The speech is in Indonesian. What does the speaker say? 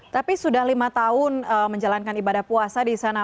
tapi sudah lima tahun menjalankan ibadah puasa di sana